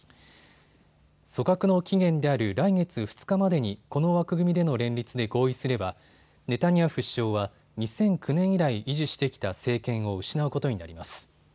組閣の期限である来月２日までにこの枠組みでの連立で合意すればネタニヤフ首相は２００９年以来維持してきた政権を失うことになります。